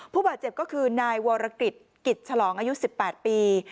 ผู้บาดเจ็บก็คือนายวรกิจกิจฉลองอายุ๑๘ปี